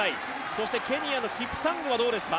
そしてケニアのキプサングはどうですか？